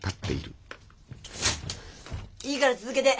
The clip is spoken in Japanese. いいから続けて。